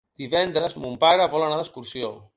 Divendres mon pare vol anar d'excursió.